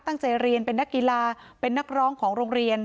ตั้งใจเรียนเป็นนักกีฬาเป็นนักร้องของโรงเรียน